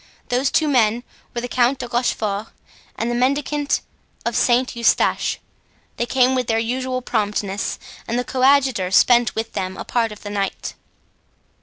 Those two men were the Count de Rochefort and the mendicant of Saint Eustache. They came with their usual promptness, and the coadjutor spent with them a part of the night.